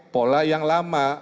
pola yang lama